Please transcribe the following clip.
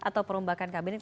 atau perlombakan kabinet